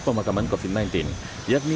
pemakaman covid sembilan belas yakni